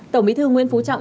tổng bí thư nguyễn phú trọng